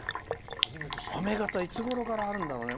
あめがたいつごろからあるんだろうね。